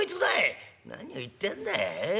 「何を言ってやんだいえ？